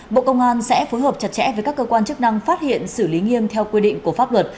bộ công an sẽ phối hợp chặt chẽ với các cơ quan chức năng phát hiện xử lý nghiêm theo quy định của pháp luật